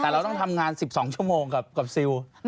แต่เราต้องทำงาน๑๒ชั่วโมงกับซิล